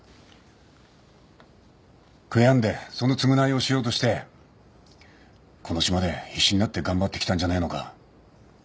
悔やんでその償いをしようとしてこの島で必死になって頑張ってきたんじゃねえのか。